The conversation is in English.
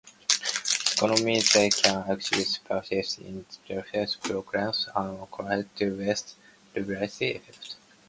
Secondly, they can actively participate in recycling programs and contribute to waste reduction efforts.